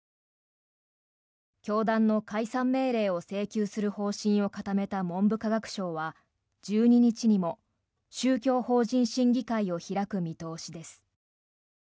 教団の解散命令を請求する方針を固めた文部科学省は１２日にも宗教法人審議会を開く見通しです。